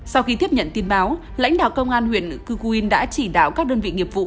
sau khi tiếp nhận tin báo lãnh đạo công an huyện cư cù yên đã chỉ đáo các đơn vị nghiệp vụ